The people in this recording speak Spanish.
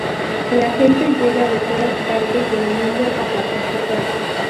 La gente llega de todas partes del mundo a participar.